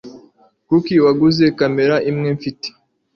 Kuki waguze kamera imwe mfite?